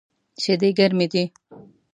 شیدې ګرمی دی